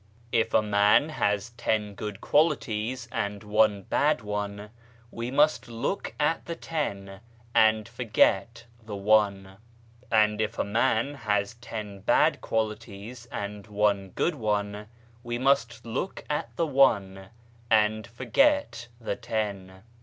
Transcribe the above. If a man has ten good qualities and one bad one, we must look at the ten and forget the one : and if a man has ten bad qualities and one good one, we must look at the one and forget the ten.